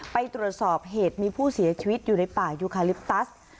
ไปตรวจสอบเหตุมีผู้เสียชีวิตอยู่ในป่ายูคาลิปตัส